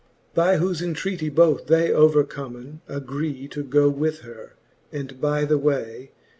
IV. By whofe entreatie both they overcommen. Agree to goe with her, and by the way.